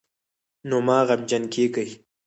نو مه غمجن کېږئ